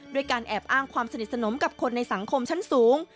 การแอบอ้างความสนิทสนมกับคนในสังคมชั้นสูง